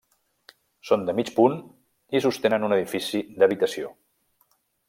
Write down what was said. Són de mig punt i sostenen un edifici d'habitació.